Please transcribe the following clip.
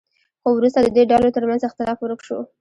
خو وروسته د دې ډلو ترمنځ اختلاف ورک شو.